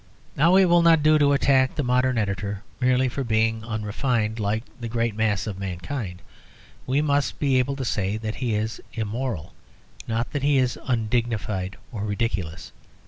Now it will not do to attack the modern editor merely for being unrefined, like the great mass of mankind. We must be able to say that he is immoral, not that he is undignified or ridiculous.